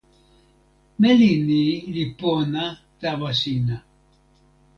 meli ni li pona tawa sina.